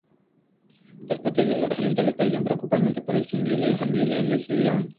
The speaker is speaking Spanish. Las potencias occidentales parecían preocuparse principalmente por extinguir el "eje Irán-Hezbolla".